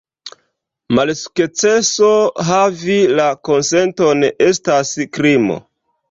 Malsukceso havi la konsenton estas krimo.